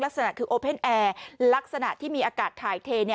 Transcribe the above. ลักษณะคือโอเพ่นแอร์ลักษณะที่มีอากาศถ่ายเท